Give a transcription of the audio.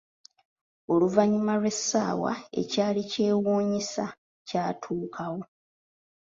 Oluvanyuma lw'esaawa, ekyali kyewunyisa kyatukawo.